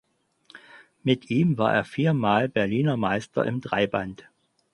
Mit ihm war er vier Mal Berliner Meister im Dreiband.